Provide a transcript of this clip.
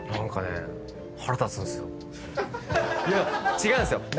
違うんですよ。